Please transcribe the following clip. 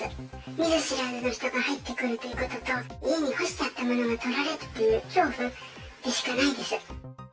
見ず知らずの人が入ってくるということと、家に干してあったものがとられるということが恐怖でしかないです。